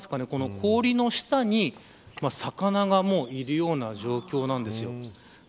氷の下に魚がいるような状況です。